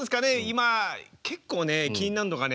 今結構ね気になるのがね